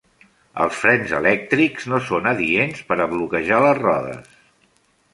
Els frens elèctrics no són adients per a bloquejar les rodes.